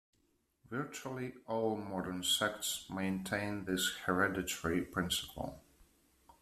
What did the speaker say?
Virtually all modern sects maintain this hereditary principle.